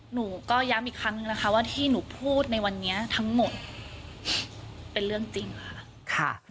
หนูก็ย้ำอีกครั้งนึงนะคะว่าที่หนูพูดในวันนี้ทั้งหมดเป็นเรื่องจริงค่ะ